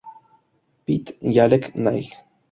Pete y Alec Knight.